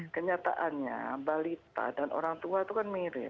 kenyataannya balita dan orang tua itu kan mirip